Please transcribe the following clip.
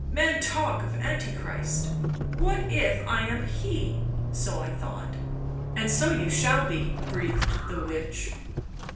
Men talk of Antichrist ! What if I am he V ... so I thought." " And so you shall be," breathed the witch.